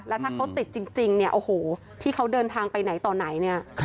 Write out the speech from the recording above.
แล้วถ้าเขาติดจริงเนี่ยโอ้โหที่เขาเดินทางไปไหนต่อไหนเนี่ย